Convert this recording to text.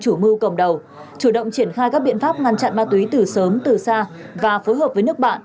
chủ mưu cầm đầu chủ động triển khai các biện pháp ngăn chặn ma túy từ sớm từ xa và phối hợp với nước bạn